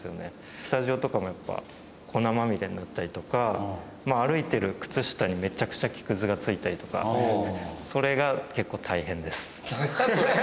スタジオとかもやっぱ粉まみれになったりとか歩いてる靴下にめちゃくちゃ木くずが付いたりとかそれが結構大変です。